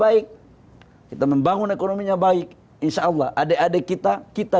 tapi kalau kita mampu kita jaga ini baik kita membangun ekonominya baik insyaallah adek adek kita kita